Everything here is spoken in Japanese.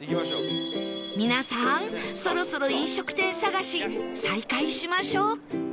皆さんそろそろ飲食店探し再開しましょう